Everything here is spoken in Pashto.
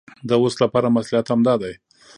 د اوس لپاره مصلحت همدا دی.